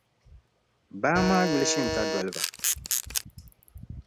Baa maa yuli “Shinkadoliba.”.